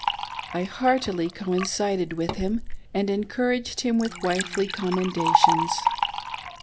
I heartily coincided with him, and encouraged him with wifely commendations.